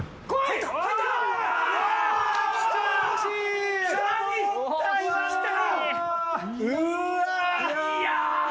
いや。